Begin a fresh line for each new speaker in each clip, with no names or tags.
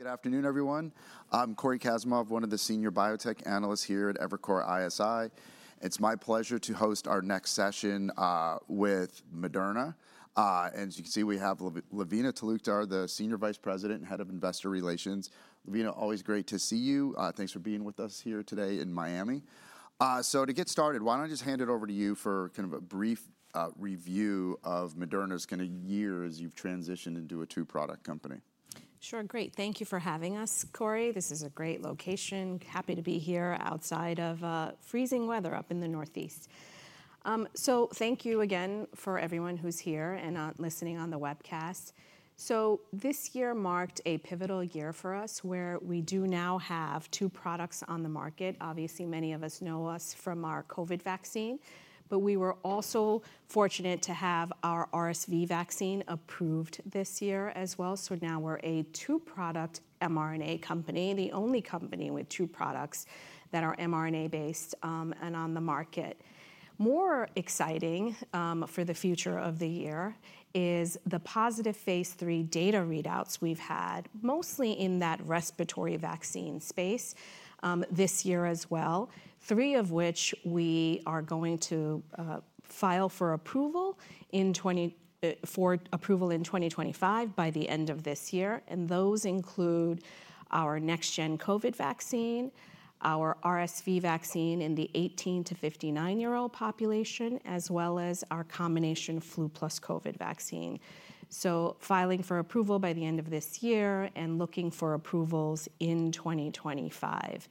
Good afternoon, everyone. I'm Cory Kasimov, one of the senior biotech analysts here at Evercore ISI. It's my pleasure to host our next session with Moderna. As you can see, we have Lavina Talukdar, the Senior Vice President and Head of Investor Relations. Lavina, always great to see you. Thanks for being with us here today in Miami. So, to get started, why don't I just hand it over to you for kind of a brief review of Moderna's kind of year as you've transitioned into a two-product company?
Sure. Great. Thank you for having us, Cory. This is a great location. Happy to be here outside of freezing weather up in the Northeast. Thank you again for everyone who's here and listening on the webcast. This year marked a pivotal year for us where we do now have two products on the market. Obviously, many of us know us from our COVID vaccine, but we were also fortunate to have our RSV vaccine approved this year as well. Now we're a two-product mRNA company, the only company with two products that are mRNA-based and on the market. More exciting for the future of the year is the positive phase 3 data readouts we've had, mostly in that respiratory vaccine space this year as well, three of which we are going to file for approval in 2025 by the end of this year. And those include our next-gen COVID vaccine, our RSV vaccine in the 18- to 59-year-old population, as well as our combination flu plus COVID vaccine. So, filing for approval by the end of this year and looking for approvals in 2025.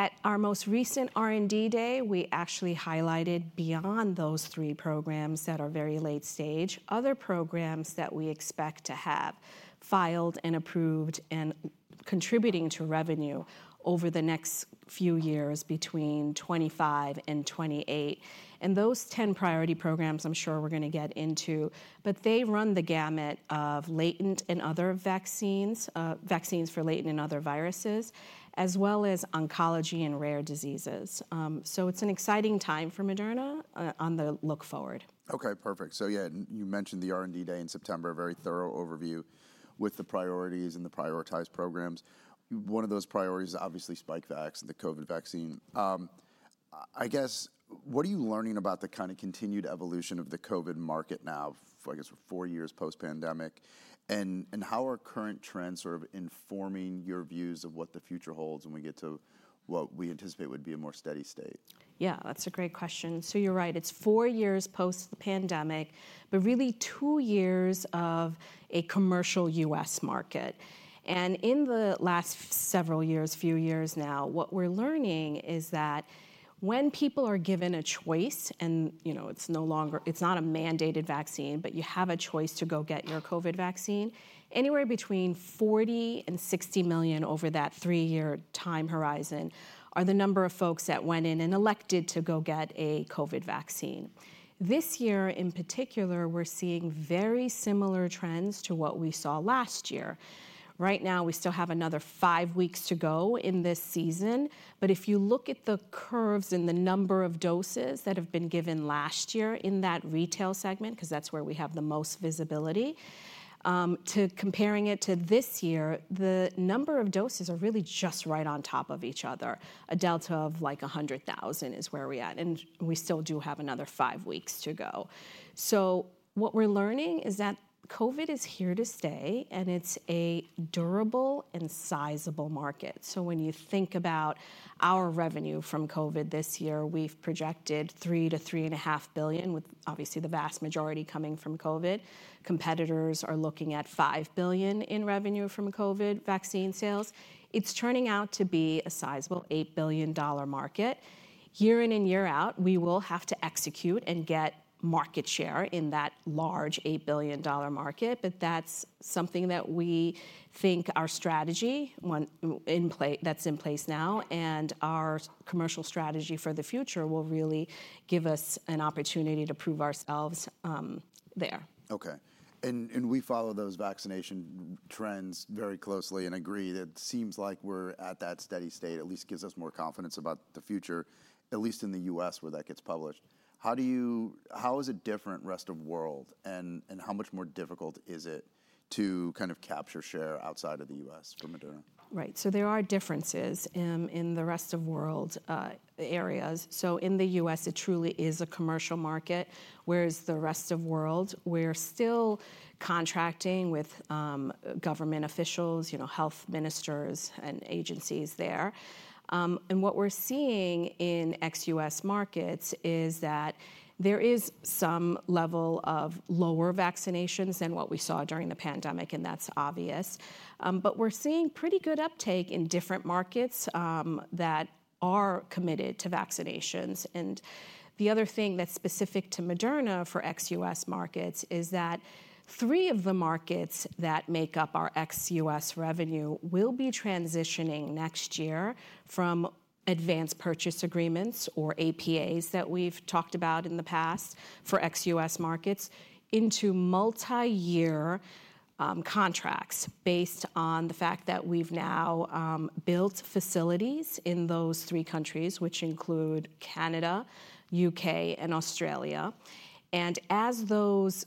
At our most recent R&D day, we actually highlighted beyond those three programs that are very late stage, other programs that we expect to have filed and approved and contributing to revenue over the next few years between 2025 and 2028. And those 10 priority programs, I'm sure we're going to get into, but they run the gamut of latent and other vaccines, vaccines for latent and other viruses, as well as oncology and rare diseases. So, it's an exciting time for Moderna on the look forward.
Okay, perfect. So, yeah, you mentioned the R&D day in September, a very thorough overview with the priorities and the prioritized programs. One of those priorities is obviously Spikevax and the COVID vaccine. I guess, what are you learning about the kind of continued evolution of the COVID market now, I guess, for four years post-pandemic, and how are current trends sort of informing your views of what the future holds when we get to what we anticipate would be a more steady state?
Yeah, that's a great question. So, you're right. It's four years post-pandemic, but really two years of a commercial U.S. market. And in the last several years, few years now, what we're learning is that when people are given a choice, and you know it's no longer, it's not a mandated vaccine, but you have a choice to go get your COVID vaccine, anywhere between 40 and 60 million over that three-year time horizon are the number of folks that went in and elected to go get a COVID vaccine. This year, in particular, we're seeing very similar trends to what we saw last year. Right now, we still have another five weeks to go in this season. But if you look at the curves and the number of doses that have been given last year in that retail segment, because that's where we have the most visibility, to comparing it to this year, the number of doses are really just right on top of each other. A delta of like 100,000 is where we're at, and we still do have another five weeks to go. So, what we're learning is that COVID is here to stay, and it's a durable and sizable market. So, when you think about our revenue from COVID this year, we've projected $3-$3.5 billion, with obviously the vast majority coming from COVID. Competitors are looking at $5 billion in revenue from COVID vaccine sales. It's turning out to be a sizable $8 billion market. Year in and year out, we will have to execute and get market share in that large $8 billion market, but that's something that we think our strategy that's in place now and our commercial strategy for the future will really give us an opportunity to prove ourselves there.
Okay. And we follow those vaccination trends very closely and agree that it seems like we're at that steady state, at least gives us more confidence about the future, at least in the U.S. where that gets published. How do you, how is it different rest of world, and how much more difficult is it to kind of capture share outside of the U.S. for Moderna?
Right. So, there are differences in the rest of world areas. So, in the U.S., it truly is a commercial market, whereas the rest of world, we're still contracting with government officials, you know, health ministers and agencies there. And what we're seeing in ex-U.S. markets is that there is some level of lower vaccinations than what we saw during the pandemic, and that's obvious. But we're seeing pretty good uptake in different markets that are committed to vaccinations. And the other thing that's specific to Moderna for ex-U.S. markets is that three of the markets that make up our ex-U.S. revenue will be transitioning next year from advanced purchase agreements or APAs that we've talked about in the past for ex-U.S. markets into multi-year contracts based on the fact that we've now built facilities in those three countries, which include Canada, the U.K., and Australia. And as those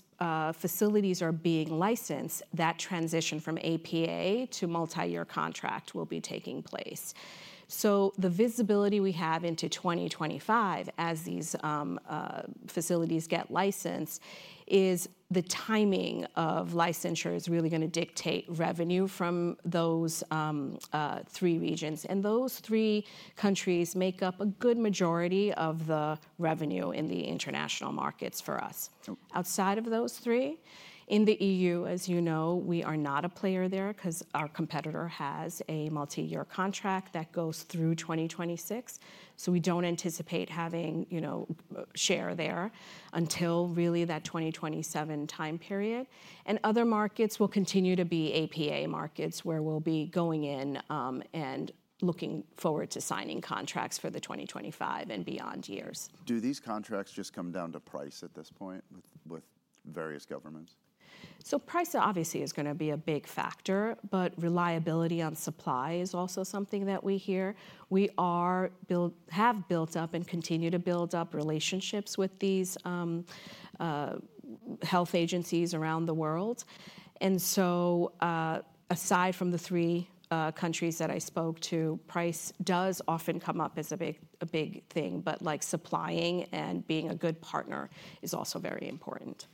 facilities are being licensed, that transition from APA to multi-year contract will be taking place. So, the visibility we have into 2025 as these facilities get licensed is the timing of licensure really going to dictate revenue from those three regions. And those three countries make up a good majority of the revenue in the international markets for us. Outside of those three, in the EU, as you know, we are not a player there because our competitor has a multi-year contract that goes through 2026. So, we don't anticipate having, you know, share there until really that 2027 time period. And other markets will continue to be APA markets where we'll be going in and looking forward to signing contracts for the 2025 and beyond years.
Do these contracts just come down to price at this point with various governments?
So, price obviously is going to be a big factor, but reliability on supply is also something that we hear. We have built up and continue to build up relationships with these health agencies around the world. And so, aside from the three countries that I spoke to, price does often come up as a big thing, but like supplying and being a good partner is also very important.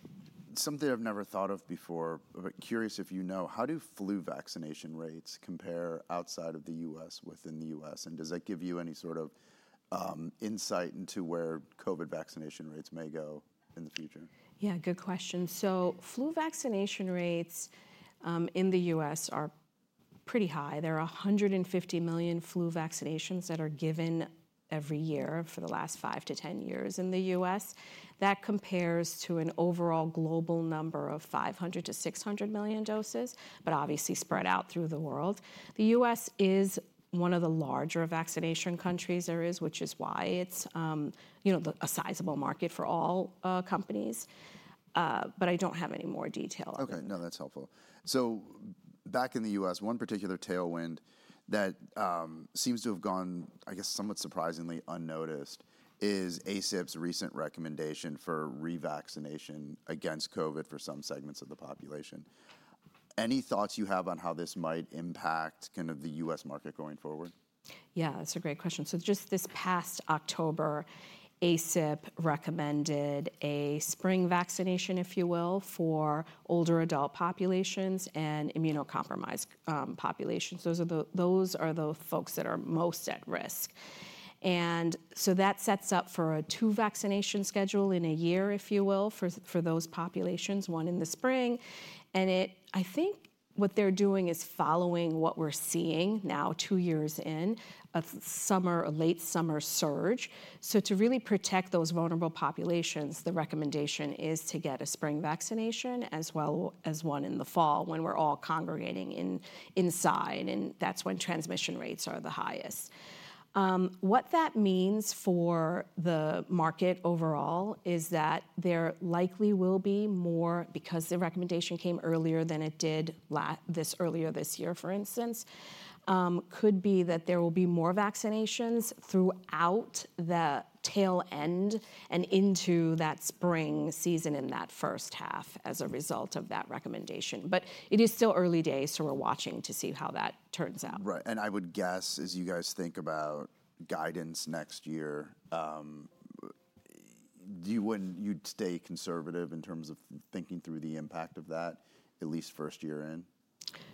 Something I've never thought of before, but curious if you know, how do flu vaccination rates compare outside of the U.S., within the U.S., and does that give you any sort of insight into where COVID vaccination rates may go in the future?
Yeah, good question. So, flu vaccination rates in the U.S. are pretty high. There are 150 million flu vaccinations that are given every year for the last 5-10 years in the U.S. That compares to an overall global number of 500-600 million doses, but obviously spread out through the world. The U.S. is one of the larger vaccination countries there is, which is why it's, you know, a sizable market for all companies. But I don't have any more detail on that.
Okay, no, that's helpful, so back in the U.S., one particular tailwind that seems to have gone, I guess, somewhat surprisingly unnoticed is ACIP's recent recommendation for revaccination against COVID for some segments of the population. Any thoughts you have on how this might impact kind of the U.S. market going forward?
Yeah, that's a great question. So, just this past October, ACIP recommended a spring vaccination, if you will, for older adult populations and immunocompromised populations. Those are the folks that are most at risk. And so, that sets up for a two-vaccination schedule in a year, if you will, for those populations, one in the spring. And I think what they're doing is following what we're seeing now, two years in, a summer, a late summer surge. So, to really protect those vulnerable populations, the recommendation is to get a spring vaccination as well as one in the fall when we're all congregating inside, and that's when transmission rates are the highest. What that means for the market overall is that there likely will be more, because the recommendation came earlier than it did earlier this year, for instance, could be that there will be more vaccinations throughout the tail end and into that spring season in that first half as a result of that recommendation. But it is still early days, so we're watching to see how that turns out.
Right. And I would guess, as you guys think about guidance next year, you wouldn't, you'd stay conservative in terms of thinking through the impact of that, at least first year in?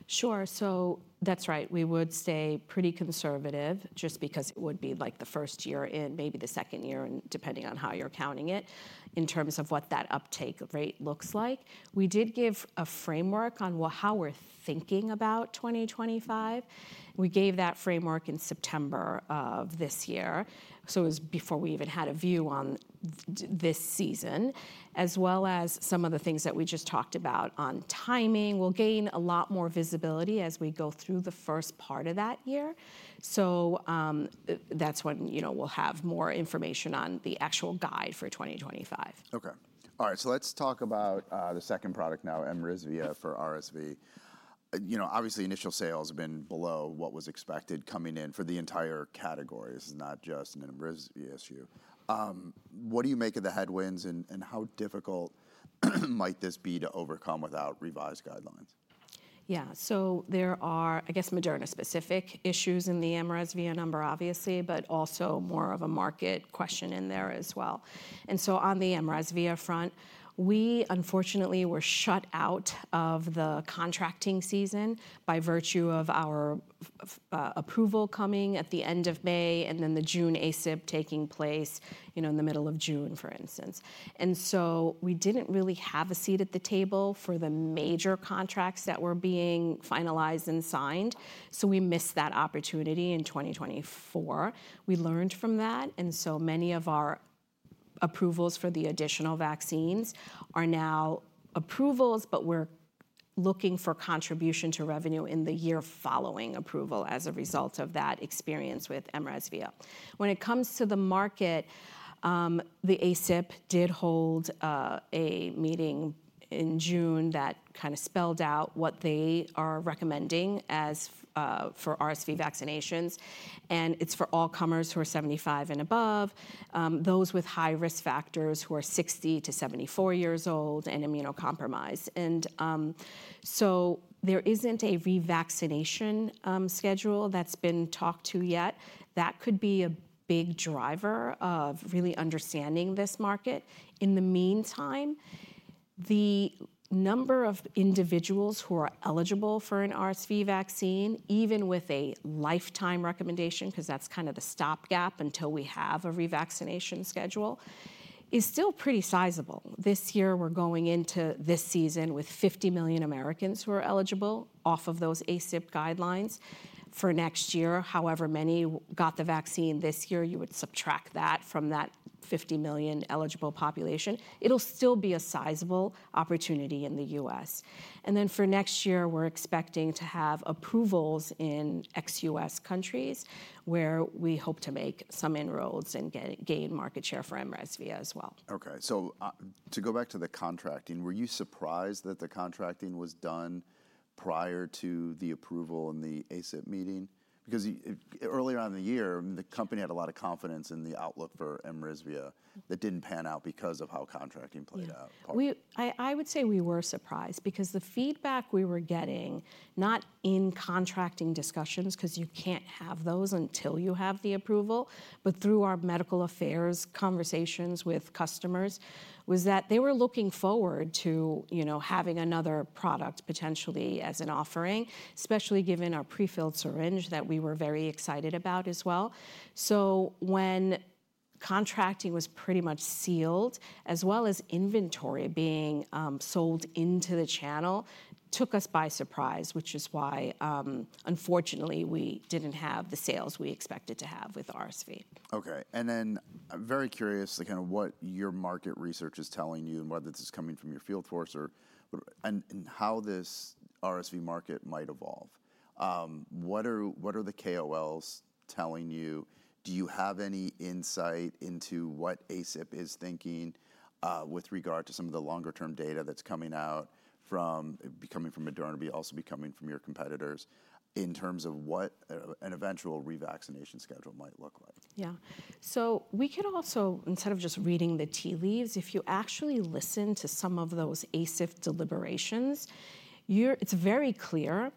Sure. So, that's right. We would stay pretty conservative just because it would be like the first year in, maybe the second year, and depending on how you're counting it in terms of what that uptake rate looks like. We did give a framework on how we're thinking about 2025. We gave that framework in September of this year. So, it was before we even had a view on this season, as well as some of the things that we just talked about on timing. We'll gain a lot more visibility as we go through the first part of that year. So, that's when, you know, we'll have more information on the actual guide for 2025.
Okay. All right. So, let's talk about the second product now, mRESVIA for RSV. You know, obviously, initial sales have been below what was expected coming in for the entire category. This is not just an mRESVIA issue. What do you make of the headwinds and how difficult might this be to overcome without revised guidelines?
Yeah. So, there are, I guess, Moderna-specific issues in the mRESVIA number, obviously, but also more of a market question in there as well. And so, on the mRESVIA front, we unfortunately were shut out of the contracting season by virtue of our approval coming at the end of May and then the June ACIP taking place, you know, in the middle of June, for instance. And so, we didn't really have a seat at the table for the major contracts that were being finalized and signed. So, we missed that opportunity in 2024. We learned from that. And so, many of our approvals for the additional vaccines are now approvals, but we're looking for contribution to revenue in the year following approval as a result of that experience with mRESVIA. When it comes to the market, the ACIP did hold a meeting in June that kind of spelled out what they are recommending for RSV vaccinations, and it's for all comers who are 75 and above, those with high risk factors who are 60-74 years old and immunocompromised, and so there isn't a revaccination schedule that's been talked to yet. That could be a big driver of really understanding this market. In the meantime, the number of individuals who are eligible for an RSV vaccine, even with a lifetime recommendation, because that's kind of the stopgap until we have a revaccination schedule, is still pretty sizable. This year, we're going into this season with 50 million Americans who are eligible off of those ACIP guidelines for next year. However many got the vaccine this year, you would subtract that from that 50 million eligible population. It'll still be a sizable opportunity in the U.S., and then for next year, we're expecting to have approvals in ex-U.S. countries where we hope to make some inroads and gain market share for mRESVIA as well.
Okay. So, to go back to the contracting, were you surprised that the contracting was done prior to the approval in the ACIP meeting? Because earlier on in the year, the company had a lot of confidence in the outlook for mRESVIA that didn't pan out because of how contracting played out.
I would say we were surprised because the feedback we were getting, not in contracting discussions, because you can't have those until you have the approval, but through our medical affairs conversations with customers, was that they were looking forward to, you know, having another product potentially as an offering, especially given our prefilled syringe that we were very excited about as well. So, when contracting was pretty much sealed, as well as inventory being sold into the channel, it took us by surprise, which is why, unfortunately, we didn't have the sales we expected to have with RSV.
Okay. And then I'm very curious to kind of what your market research is telling you and whether this is coming from your field force or how this RSV market might evolve. What are the KOLs telling you? Do you have any insight into what ACIP is thinking with regard to some of the longer-term data that's coming out from, coming from Moderna, but also coming from your competitors in terms of what an eventual revaccination schedule might look like?
Yeah. So, we could also, instead of just reading the tea leaves, if you actually listen to some of those ACIP deliberations, it's very clear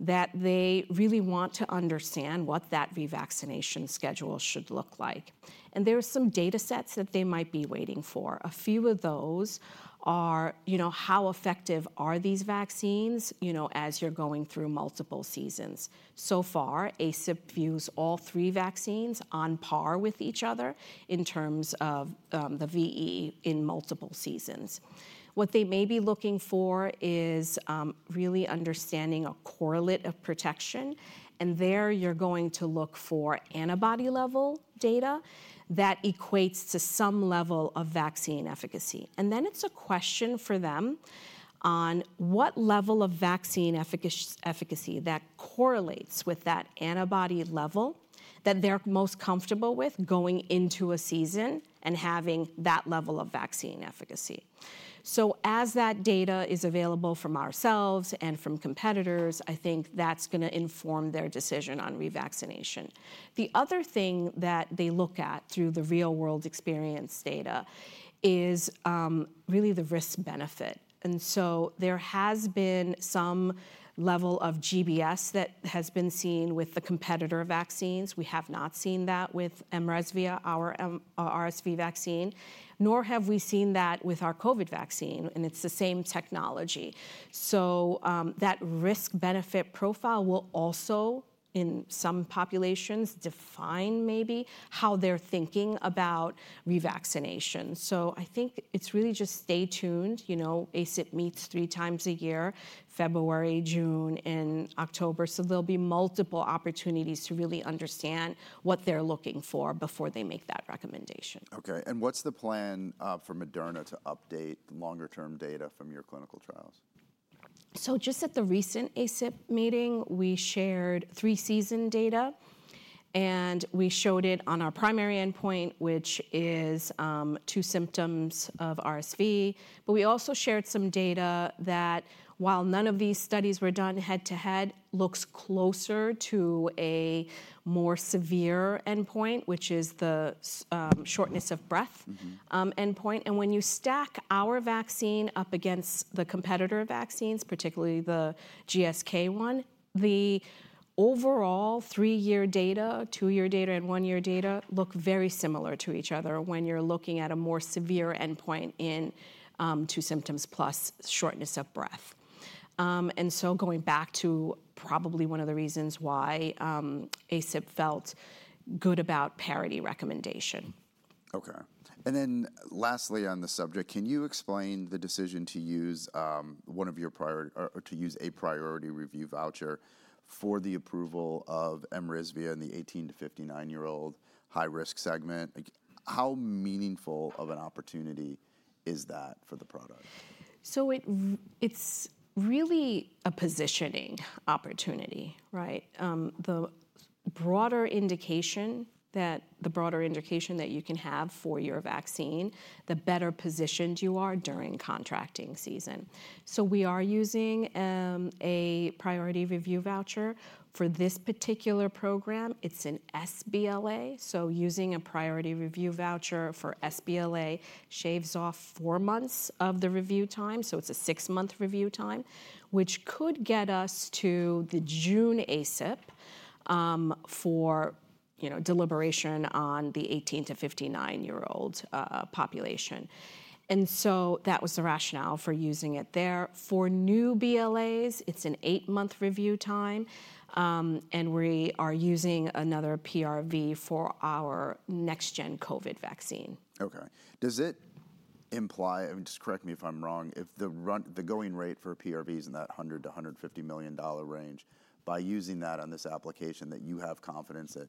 that they really want to understand what that revaccination schedule should look like. And there are some data sets that they might be waiting for. A few of those are, you know, how effective are these vaccines, you know, as you're going through multiple seasons. So far, ACIP views all three vaccines on par with each other in terms of the VE in multiple seasons. What they may be looking for is really understanding a correlate of protection. And there, you're going to look for antibody-level data that equates to some level of vaccine efficacy. And then it's a question for them on what level of vaccine efficacy that correlates with that antibody level that they're most comfortable with going into a season and having that level of vaccine efficacy. So, as that data is available from ourselves and from competitors, I think that's going to inform their decision on revaccination. The other thing that they look at through the real-world experience data is really the risk-benefit. And so, there has been some level of GBS that has been seen with the competitor vaccines. We have not seen that with mRESVIA, our RSV vaccine, nor have we seen that with our COVID vaccine. And it's the same technology. So, that risk-benefit profile will also, in some populations, define maybe how they're thinking about revaccination. So, I think it's really just stay tuned, you know, ACIP meets three times a year, February, June, and October. There'll be multiple opportunities to really understand what they're looking for before they make that recommendation.
Okay, and what's the plan for Moderna to update longer-term data from your clinical trials?
So, just at the recent ACIP meeting, we shared three-season data, and we showed it on our primary endpoint, which is two symptoms of RSV. But we also shared some data that, while none of these studies were done head-to-head, looks closer to a more severe endpoint, which is the shortness of breath endpoint. And when you stack our vaccine up against the competitor vaccines, particularly the GSK one, the overall three-year data, two-year data, and one-year data look very similar to each other when you're looking at a more severe endpoint in two symptoms plus shortness of breath. And so, going back to probably one of the reasons why ACIP felt good about parity recommendation.
Okay, and then lastly on the subject, can you explain the decision to use one of your priority or to use a priority review voucher for the approval of mRESVIA in the 18- to 59-year-old high-risk segment? How meaningful of an opportunity is that for the product?
It's really a positioning opportunity, right? The broader indication that you can have for your vaccine, the better positioned you are during contracting season. We are using a Priority Review Voucher for this particular program. It's an sBLA. Using a Priority Review Voucher for sBLA shaves off four months of the review time. It's a six-month review time, which could get us to the June ACIP for, you know, deliberation on the 18- to 59-year-old population. And so, that was the rationale for using it there. For new BLAs, it's an eight-month review time. We are using another PRV for our next-gen COVID vaccine.
Okay. Does it imply, and just correct me if I'm wrong, if the going rate for PRV is in that $100-$150 million range, by using that on this application that you have confidence that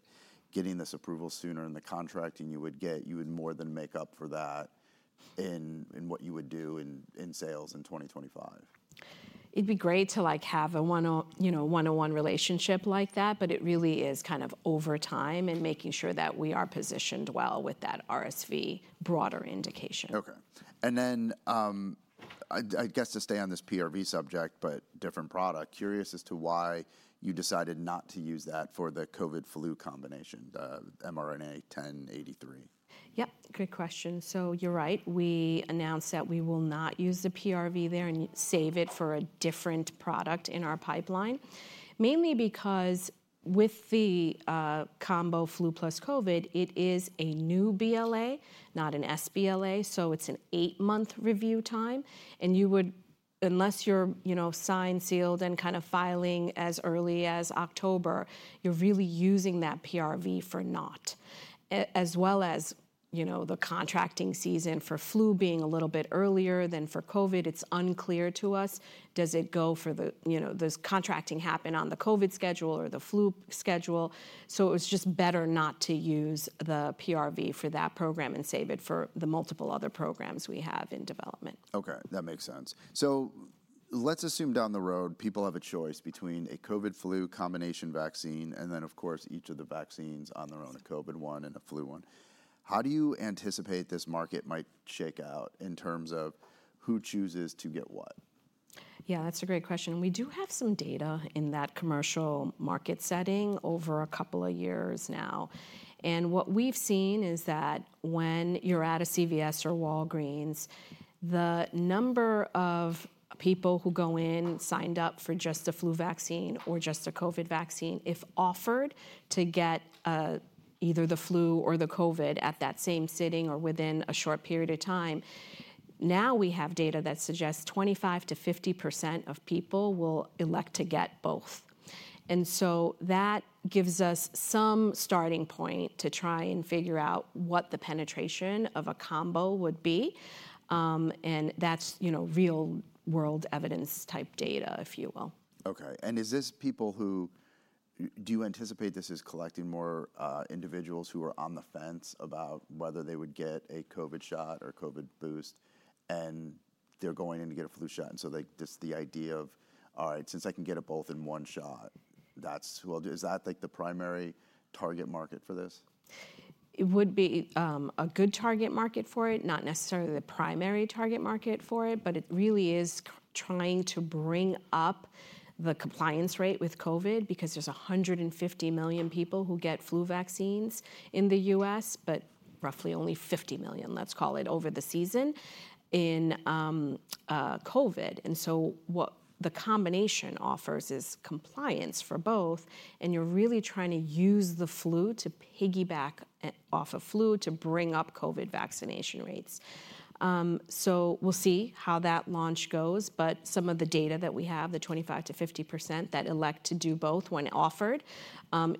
getting this approval sooner in the contracting you would get, you would more than make up for that in what you would do in sales in 2025?
It'd be great to like have a, you know, one-on-one relationship like that, but it really is kind of over time and making sure that we are positioned well with that RSV broader indication.
Okay, and then I guess to stay on this PRV subject, but different product, curious as to why you decided not to use that for the COVID-flu combination, the mRNA-1083?
Yep. Great question. So, you're right. We announced that we will not use the PRV there and save it for a different product in our pipeline, mainly because with the combo flu plus COVID, it is a new BLA, not an SBLA. So, it's an eight-month review time. And you would, unless you're, you know, signed, sealed, and kind of filing as early as October, you're really using that PRV for not, as well as, you know, the contracting season for flu being a little bit earlier than for COVID. It's unclear to us, does it go for the, you know, does contracting happen on the COVID schedule or the flu schedule? So, it was just better not to use the PRV for that program and save it for the multiple other programs we have in development.
Okay. That makes sense. So, let's assume down the road people have a choice between a COVID-flu combination vaccine and then, of course, each of the vaccines on their own, a COVID one and a flu one. How do you anticipate this market might shake out in terms of who chooses to get what?
Yeah, that's a great question. We do have some data in that commercial market setting over a couple of years now. And what we've seen is that when you're at a CVS or Walgreens, the number of people who go in signed up for just a flu vaccine or just a COVID vaccine, if offered to get either the flu or the COVID at that same sitting or within a short period of time, now we have data that suggests 25%-50% of people will elect to get both. And so, that gives us some starting point to try and figure out what the penetration of a combo would be. And that's, you know, real-world evidence-type data, if you will.
Okay. And is this people who do you anticipate this is collecting more individuals who are on the fence about whether they would get a COVID shot or COVID boost and they're going in to get a flu shot? And so, like just the idea of, all right, since I can get it both in one shot, that's who I'll do. Is that like the primary target market for this?
It would be a good target market for it, not necessarily the primary target market for it, but it really is trying to bring up the compliance rate with COVID because there's 150 million people who get flu vaccines in the U.S., but roughly only 50 million, let's call it, over the season in COVID. And so, what the combination offers is compliance for both. And you're really trying to use the flu to piggyback off of flu to bring up COVID vaccination rates. So, we'll see how that launch goes. But some of the data that we have, the 25 to 50% that elect to do both when offered,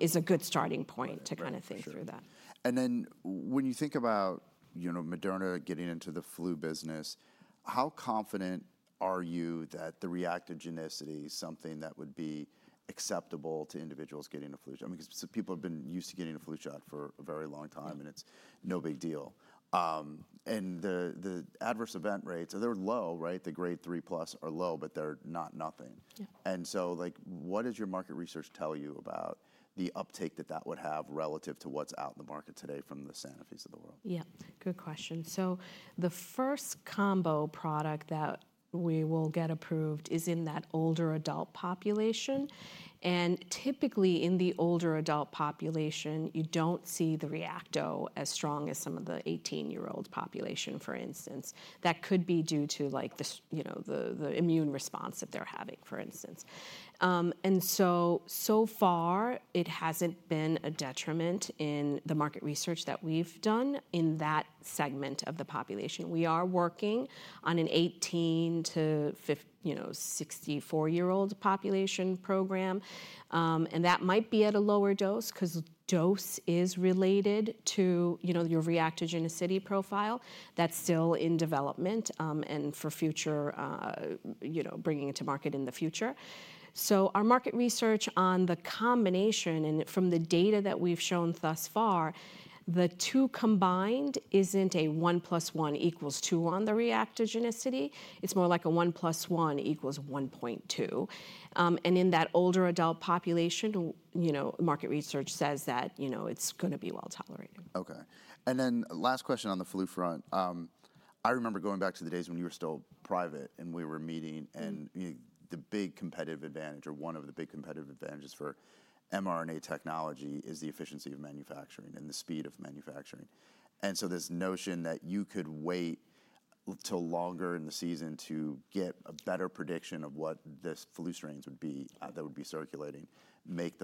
is a good starting point to kind of think through that.
Then when you think about, you know, Moderna getting into the flu business, how confident are you that the reactogenicity is something that would be acceptable to individuals getting a flu shot? I mean, because people have been used to getting a flu shot for a very long time and it's no big deal. And the adverse event rates, they're low, right? The grade three plus are low, but they're not nothing. And so, like what does your market research tell you about the uptake that that would have relative to what's out in the market today from the Sanofis of the world?
Yeah. Good question. So, the first combo product that we will get approved is in that older adult population. And typically in the older adult population, you don't see the reactogenicity as strong as some of the 18-year-old population, for instance. That could be due to like, you know, the immune response that they're having, for instance. And so, so far, it hasn't been a detriment in the market research that we've done in that segment of the population. We are working on an 18- to, you know, 64-year-old population program. And that might be at a lower dose because dose is related to, you know, your reactogenicity profile. That's still in development and for future, you know, bringing it to market in the future. So, our market research on the combination and from the data that we've shown thus far, the two combined isn't a one plus one equals two on the reactogenicity. It's more like a one plus one equals 1.2. And in that older adult population, you know, market research says that, you know, it's going to be well tolerated.
Okay. And then last question on the flu front. I remember going back to the days when you were still private and we were meeting and the big competitive advantage or one of the big competitive advantages for mRNA technology is the efficiency of manufacturing and the speed of manufacturing. And so, this notion that you could wait till longer in the season to get a better prediction of what this flu strains would be that would be circulating, make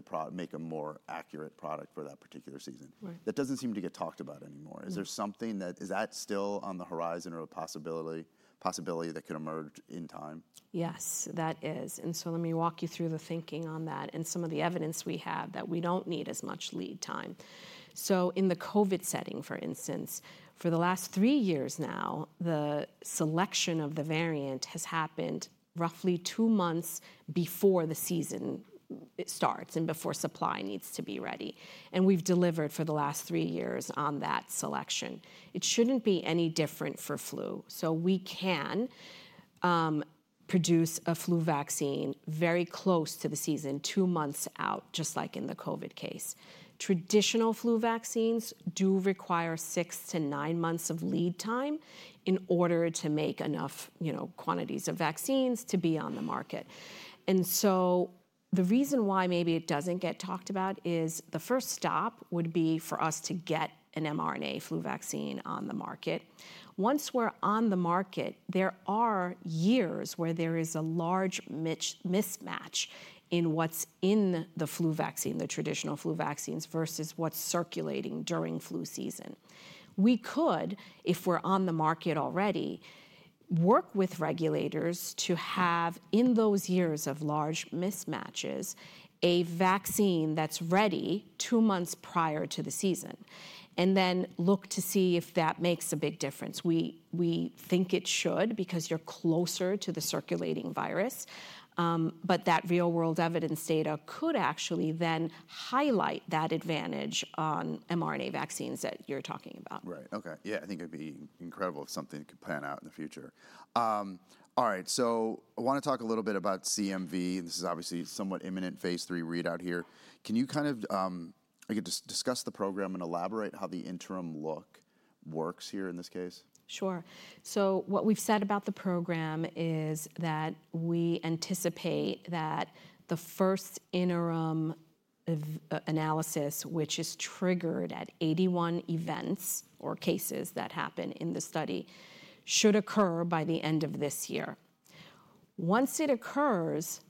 a more accurate product for that particular season. That doesn't seem to get talked about anymore. Is there something that is still on the horizon or a possibility that could emerge in time?
Yes, that is. And so, let me walk you through the thinking on that and some of the evidence we have that we don't need as much lead time. So, in the COVID setting, for instance, for the last three years now, the selection of the variant has happened roughly two months before the season starts and before supply needs to be ready. And we've delivered for the last three years on that selection. It shouldn't be any different for flu. So, we can produce a flu vaccine very close to the season, two months out, just like in the COVID case. Traditional flu vaccines do require six to nine months of lead time in order to make enough, you know, quantities of vaccines to be on the market. The reason why maybe it doesn't get talked about is the first stop would be for us to get an mRNA flu vaccine on the market. Once we're on the market, there are years where there is a large mismatch in what's in the flu vaccine, the traditional flu vaccines versus what's circulating during flu season. We could, if we're on the market already, work with regulators to have in those years of large mismatches a vaccine that's ready two months prior to the season and then look to see if that makes a big difference. We think it should because you're closer to the circulating virus. That real-world evidence data could actually then highlight that advantage on mRNA vaccines that you're talking about.
Right. Okay. Yeah. I think it'd be incredible if something could pan out in the future. All right. So, I want to talk a little bit about CMV. This is obviously somewhat imminent phase three readout here. Can you kind of, I guess, discuss the program and elaborate how the interim look works here in this case?
Sure. So, what we've said about the program is that we anticipate that the first interim analysis, which is triggered at 81 events or cases that happen in the study, should occur by the end of this year. Once it occurs,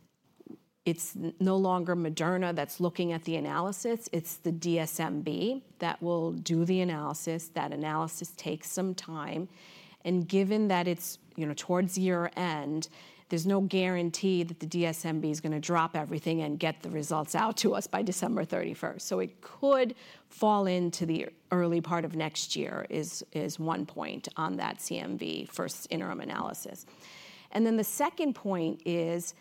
it's no longer Moderna that's looking at the analysis. It's the DSMB that will do the analysis. That analysis takes some time. And given that it's, you know, towards year end, there's no guarantee that the DSMB is going to drop everything and get the results out to us by December 31st. So, it could fall into the early part of next year is one point on that CMV first interim analysis. And then the second point is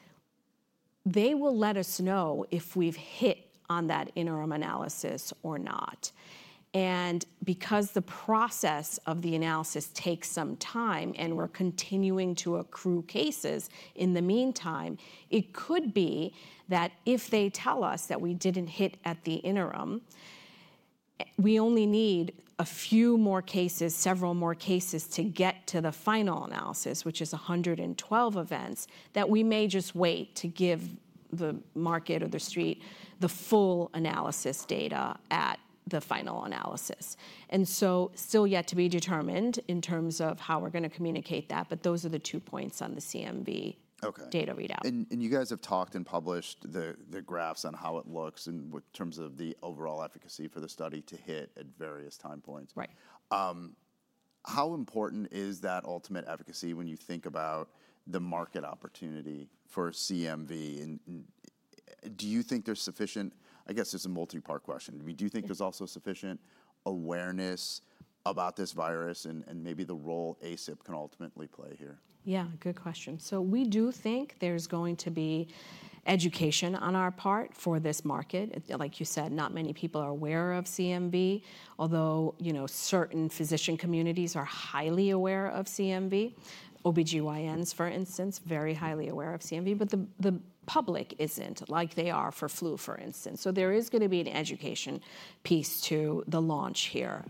they will let us know if we've hit on that interim analysis or not. And because the process of the analysis takes some time and we're continuing to accrue cases in the meantime, it could be that if they tell us that we didn't hit at the interim, we only need a few more cases, several more cases to get to the final analysis, which is 112 events, that we may just wait to give the market or the street the full analysis data at the final analysis. And so, still yet to be determined in terms of how we're going to communicate that. But those are the two points on the CMV data readout.
You guys have talked and published the graphs on how it looks in terms of the overall efficacy for the study to hit at various time points.
Right.
How important is that ultimate efficacy when you think about the market opportunity for CMV? Do you think there's sufficient, I guess it's a multi-part question. Do you think there's also sufficient awareness about this virus and maybe the role ACIP can ultimately play here?
Yeah, good question, so we do think there's going to be education on our part for this market. Like you said, not many people are aware of CMV, although, you know, certain physician communities are highly aware of CMV. OB-GYNs, for instance, very highly aware of CMV, but the public isn't like they are for flu, for instance, so there is going to be an education piece to the launch here.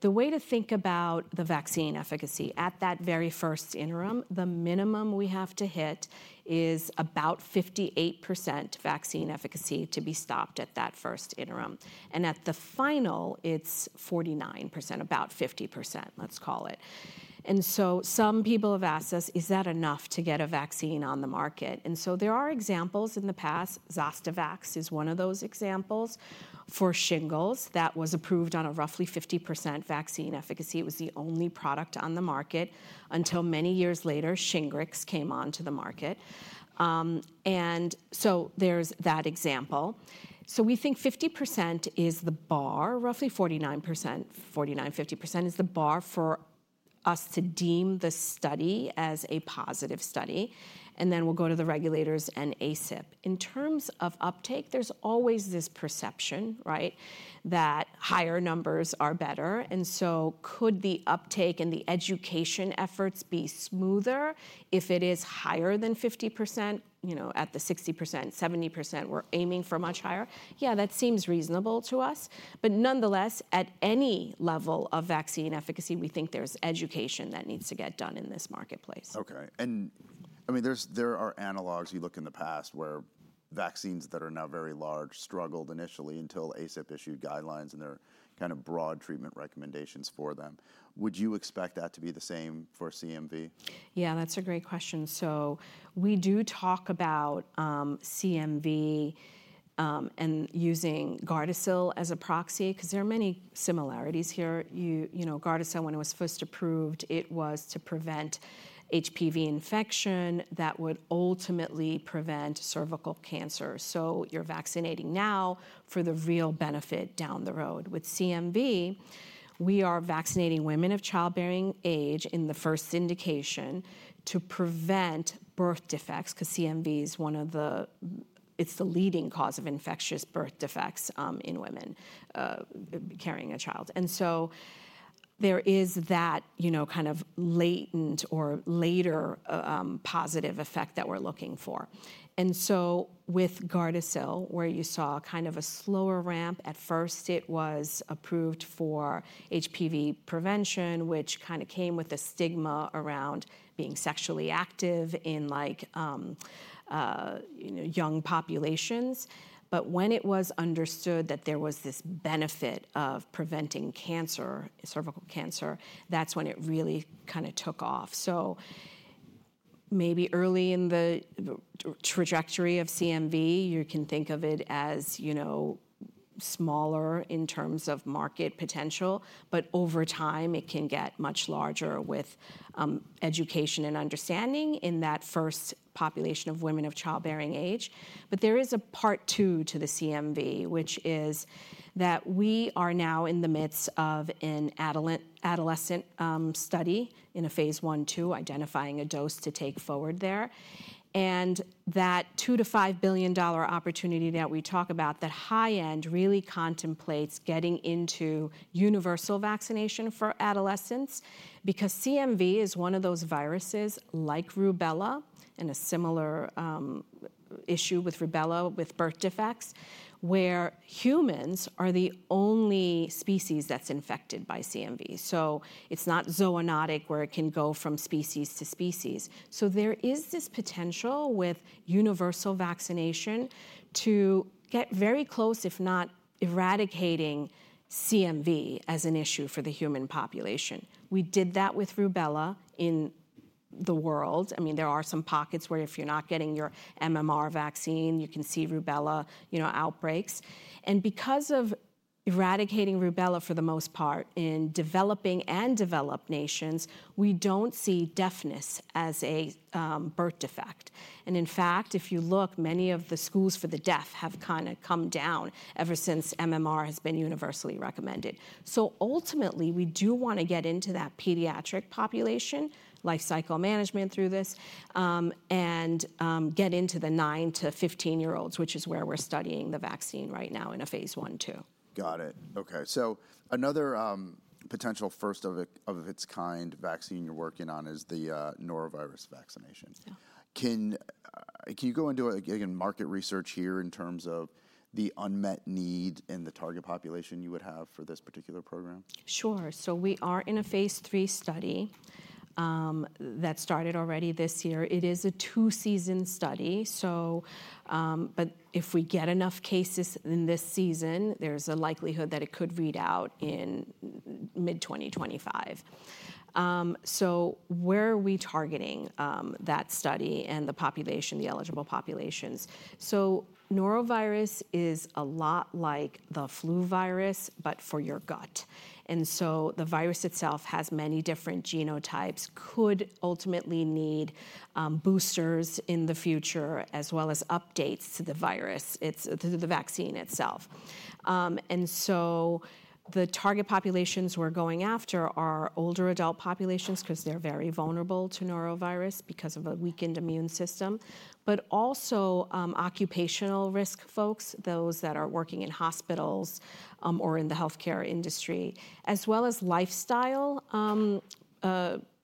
The way to think about the vaccine efficacy at that very first interim, the minimum we have to hit is about 58% vaccine efficacy to be stopped at that first interim, and at the final, it's 49%, about 50%, let's call it, and so some people have asked us, is that enough to get a vaccine on the market, and so there are examples in the past. Zostavax is one of those examples for shingles that was approved on a roughly 50% vaccine efficacy. It was the only product on the market until many years later, Shingrix came onto the market. And so, there's that example. So, we think 50% is the bar, roughly 49%, 49, 50% is the bar for us to deem the study as a positive study. And then we'll go to the regulators and ACIP. In terms of uptake, there's always this perception, right, that higher numbers are better. And so, could the uptake and the education efforts be smoother if it is higher than 50%, you know, at the 60%, 70%, we're aiming for much higher? Yeah, that seems reasonable to us. But nonetheless, at any level of vaccine efficacy, we think there's education that needs to get done in this marketplace.
Okay. I mean, there are analogs you look in the past where vaccines that are now very large struggled initially until ACIP issued guidelines and their kind of broad treatment recommendations for them. Would you expect that to be the same for CMV?
Yeah, that's a great question. So, we do talk about CMV and using Gardasil as a proxy because there are many similarities here. You know, Gardasil, when it was first approved, it was to prevent HPV infection that would ultimately prevent cervical cancer. So, you're vaccinating now for the real benefit down the road. With CMV, we are vaccinating women of childbearing age in the first indication to prevent birth defects because CMV is one of the, it's the leading cause of infectious birth defects in women carrying a child. And so, there is that, you know, kind of latent or later positive effect that we're looking for. And so, with Gardasil, where you saw kind of a slower ramp, at first it was approved for HPV prevention, which kind of came with a stigma around being sexually active in like, you know, young populations. But when it was understood that there was this benefit of preventing cancer, cervical cancer, that's when it really kind of took off. So, maybe early in the trajectory of CMV, you can think of it as, you know, smaller in terms of market potential, but over time it can get much larger with education and understanding in that first population of women of childbearing age. But there is a part two to the CMV, which is that we are now in the midst of an adolescent study in a phase one to identifying a dose to take forward there. That $2 billion-$5 billion opportunity that we talk about, that high end really contemplates getting into universal vaccination for adolescents because CMV is one of those viruses like rubella and a similar issue with rubella with birth defects where humans are the only species that's infected by CMV. So, it's not zoonotic where it can go from species to species. So, there is this potential with universal vaccination to get very close, if not eradicating CMV as an issue for the human population. We did that with rubella in the world. I mean, there are some pockets where if you're not getting your MMR vaccine, you can see rubella, you know, outbreaks. And because of eradicating rubella for the most part in developing and developed nations, we don't see deafness as a birth defect. In fact, if you look, many of the schools for the deaf have kind of come down ever since MMR has been universally recommended. Ultimately, we do want to get into that pediatric population, lifecycle management through this and get into the nine to 15-year-olds, which is where we're studying the vaccine right now in a phase 1/2.
Got it. Okay. So, another potential first of its kind vaccine you're working on is the norovirus vaccination. Can you go into again market research here in terms of the unmet need in the target population you would have for this particular program?
Sure. We are in a phase three study that started already this year. It is a two-season study. But if we get enough cases in this season, there's a likelihood that it could read out in mid-2025. Where are we targeting that study and the population, the eligible populations? Norovirus is a lot like the flu virus, but for your gut. The virus itself has many different genotypes, could ultimately need boosters in the future as well as updates to the virus, to the vaccine itself. The target populations we're going after are older adult populations because they're very vulnerable to Norovirus because of a weakened immune system, but also occupational risk folks, those that are working in hospitals or in the healthcare industry, as well as lifestyle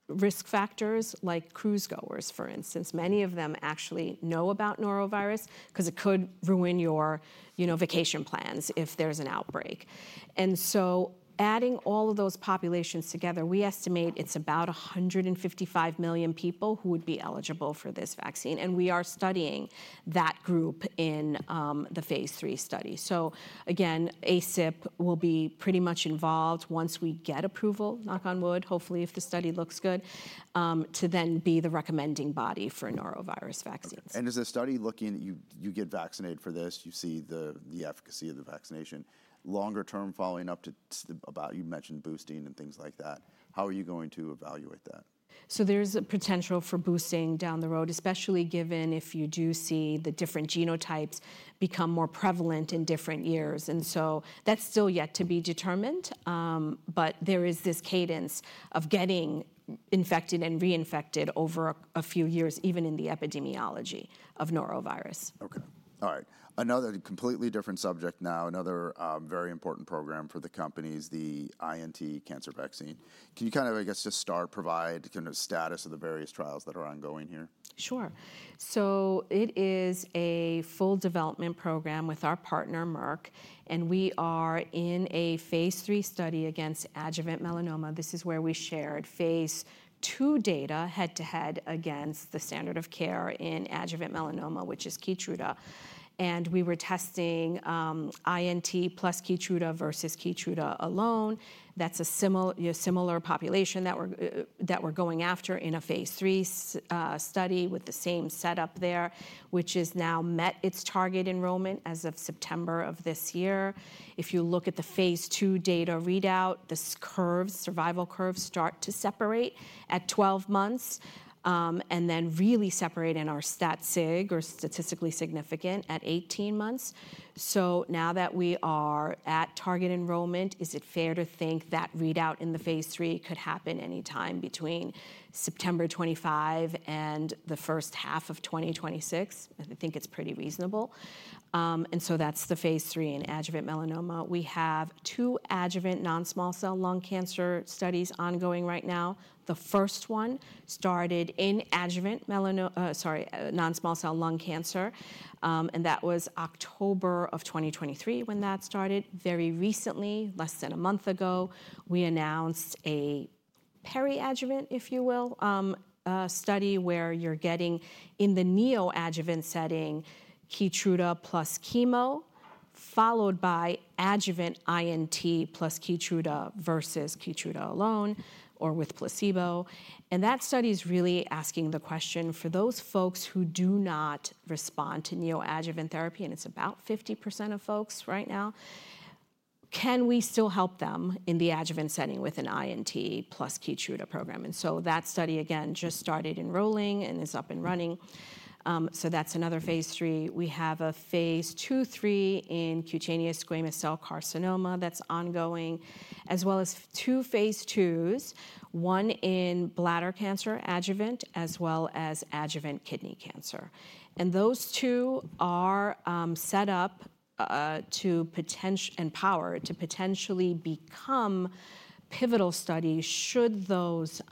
risk factors like cruise goers, for instance. Many of them actually know about norovirus because it could ruin your, you know, vacation plans if there's an outbreak. And so, adding all of those populations together, we estimate it's about 155 million people who would be eligible for this vaccine. And we are studying that group in the phase three study. So, again, ACIP will be pretty much involved once we get approval, knock on wood, hopefully if the study looks good, to then be the recommending body for norovirus vaccines.
Is the study looking you get vaccinated for this, you see the efficacy of the vaccination longer term following up to about you mentioned boosting and things like that. How are you going to evaluate that?
There's a potential for boosting down the road, especially given if you do see the different genotypes become more prevalent in different years. And so, that's still yet to be determined. But there is this cadence of getting infected and reinfected over a few years, even in the epidemiology of Norovirus.
Okay. All right. Another completely different subject now, another very important program for the company is the INT cancer vaccine. Can you kind of, I guess, just start, provide kind of status of the various trials that are ongoing here?
Sure. So, it is a full development program with our partner, Merck, and we are in a phase 3 study against adjuvant melanoma. This is where we shared phase 2 data head to head against the standard of care in adjuvant melanoma, which is Keytruda. And we were testing INT plus Keytruda versus Keytruda alone. That's a similar population that we're going after in a phase 3 study with the same setup there, which has now met its target enrollment as of September of this year. If you look at the phase 2 data readout, the survival curves start to separate at 12 months and then really separate in our stat sig or statistically significant at 18 months. So, now that we are at target enrollment, is it fair to think that readout in the phase 3 could happen anytime between September 25 and the first half of 2026? I think it's pretty reasonable. And so, that's the phase three in adjuvant melanoma. We have two adjuvant non-small cell lung cancer studies ongoing right now. The first one started in adjuvant melanoma, sorry, non-small cell lung cancer. And that was October of 2023 when that started. Very recently, less than a month ago, we announced a peri-adjuvant, if you will, study where you're getting in the neoadjuvant setting, Keytruda plus chemo, followed by adjuvant INT plus Keytruda versus Keytruda alone or with placebo. And that study is really asking the question for those folks who do not respond to neoadjuvant therapy, and it's about 50% of folks right now, can we still help them in the adjuvant setting with an INT plus Keytruda program? And so, that study again just started enrolling and is up and running. So, that's another phase three. We have a Phase 2/3 in cutaneous squamous cell carcinoma that's ongoing, as well as two phase twos, one in bladder cancer adjuvant, as well as adjuvant kidney cancer, and those two are set up to potentially and power to potentially become pivotal studies should those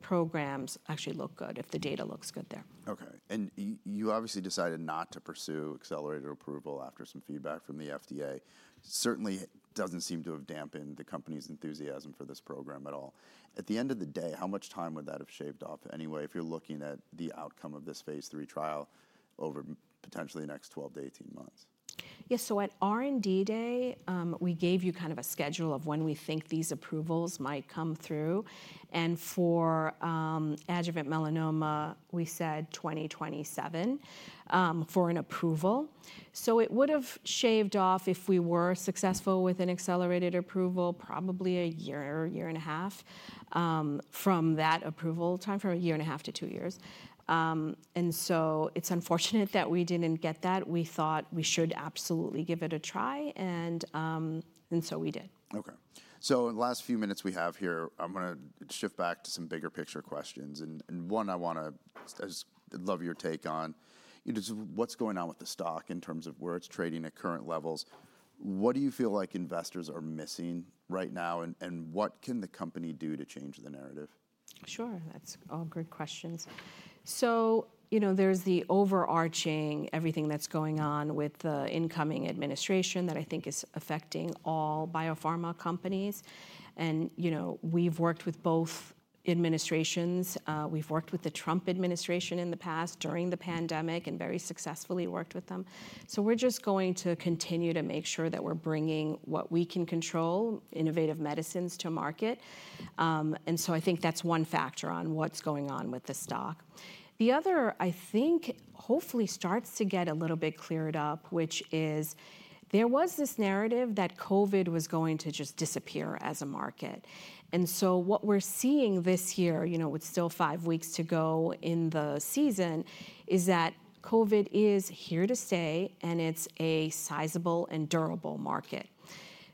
programs actually look good if the data looks good there.
Okay. And you obviously decided not to pursue accelerated approval after some feedback from the FDA. Certainly doesn't seem to have dampened the company's enthusiasm for this program at all. At the end of the day, how much time would that have shaved off anyway if you're looking at the outcome of this phase 3 trial over potentially the next 12-18 months?
Yes. So, at R&D day, we gave you kind of a schedule of when we think these approvals might come through. And for adjuvant melanoma, we said 2027 for an approval. So, it would have shaved off if we were successful with an accelerated approval, probably a year or a year and a half from that approval timeframe, a year and a half to two years. And so, it's unfortunate that we didn't get that. We thought we should absolutely give it a try. And so, we did.
Okay. So, in the last few minutes we have here, I'm going to shift back to some bigger picture questions, and one I want to just love your take on, you know, what's going on with the stock in terms of where it's trading at current levels? What do you feel like investors are missing right now? And what can the company do to change the narrative?
Sure. That's all great questions. So, you know, there's the overarching everything that's going on with the incoming administration that I think is affecting all biopharma companies, and, you know, we've worked with both administrations. We've worked with the Trump administration in the past during the pandemic and very successfully worked with them. So, we're just going to continue to make sure that we're bringing what we can control, innovative medicines to market, and so, I think that's one factor on what's going on with the stock. The other, I think, hopefully starts to get a little bit cleared up, which is there was this narrative that COVID was going to just disappear as a market, and so, what we're seeing this year, you know, with still five weeks to go in the season, is that COVID is here to stay and it's a sizable and durable market.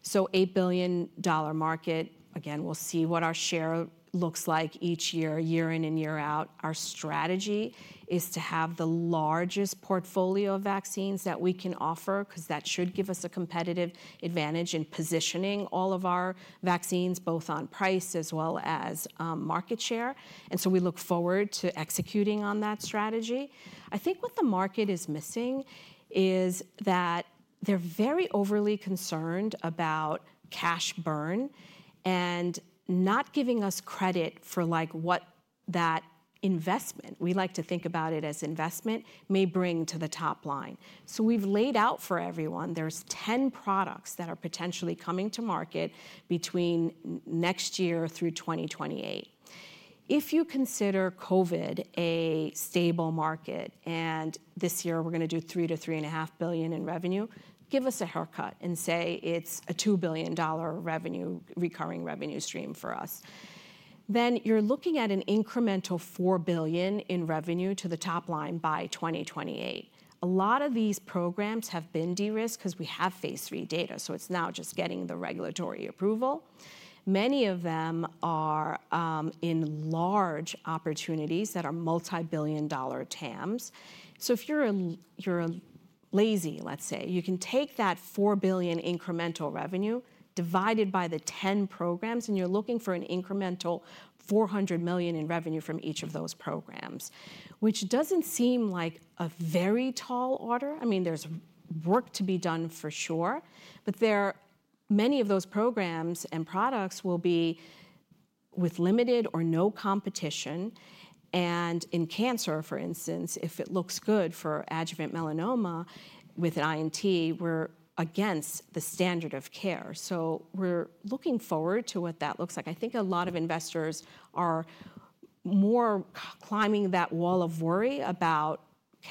$8 billion market. Again, we'll see what our share looks like each year, year in and year out. Our strategy is to have the largest portfolio of vaccines that we can offer because that should give us a competitive advantage in positioning all of our vaccines, both on price as well as market share. We look forward to executing on that strategy. I think what the market is missing is that they're very overly concerned about cash burn and not giving us credit for like what that investment, we like to think about it as investment, may bring to the top line. We've laid out for everyone. There's 10 products that are potentially coming to market between next year through 2028. If you consider COVID a stable market and this year we're going to do $3-$3.5 billion in revenue, give us a haircut and say it's a $2 billion revenue, recurring revenue stream for us. Then you're looking at an incremental $4 billion in revenue to the top line by 2028. A lot of these programs have been de-risked because we have phase 3 data. So, it's now just getting the regulatory approval. Many of them are in large opportunities that are multi-billion dollar TAMs. So, if you're a lazy, let's say, you can take that $4 billion incremental revenue divided by the 10 programs and you're looking for an incremental $400 million in revenue from each of those programs, which doesn't seem like a very tall order. I mean, there's work to be done for sure, but there are many of those programs and products will be with limited or no competition, and in cancer, for instance, if it looks good for adjuvant melanoma with an INT, we're against the standard of care, so we're looking forward to what that looks like. I think a lot of investors are more climbing that wall of worry about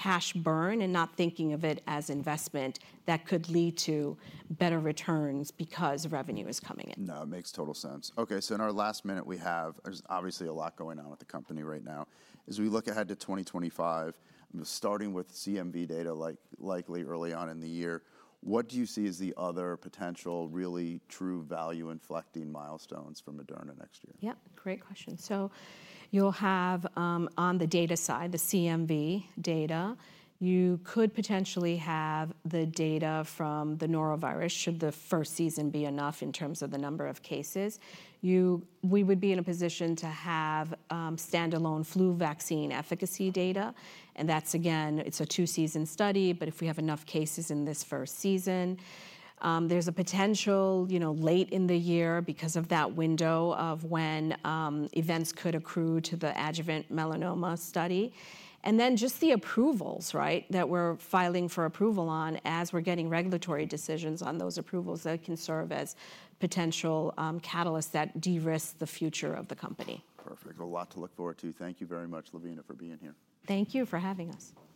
cash burn and not thinking of it as investment that could lead to better returns because revenue is coming in.
No, it makes total sense. Okay. So, in our last minute, we have obviously a lot going on with the company right now. As we look ahead to 2025, starting with CMV data likely early on in the year, what do you see as the other potential really true value inflecting milestones for Moderna next year?
Yep. Great question. So, you'll have on the data side the CMV data. You could potentially have the data from the norovirus should the first season be enough in terms of the number of cases. We would be in a position to have standalone flu vaccine efficacy data. And that's again, it's a two-season study, but if we have enough cases in this first season, there's a potential, you know, late in the year because of that window of when events could accrue to the adjuvant melanoma study. And then just the approvals, right, that we're filing for approval on as we're getting regulatory decisions on those approvals that can serve as potential catalysts that de-risk the future of the company.
Perfect. A lot to look forward to. Thank you very much, Lavina, for being here.
Thank you for having us.